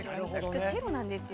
きっとチェロなんですよ。